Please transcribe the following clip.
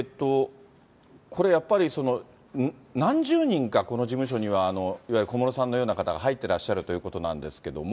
これやっぱり、何十人か、この事務所にはいわゆる小室さんのような方が入ってらっしゃるということなんですけども。